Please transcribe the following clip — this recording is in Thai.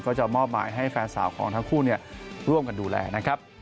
จะมอบหมายให้แฟนสาวของทั้งคู่ร่วมกันดูแลนะครับ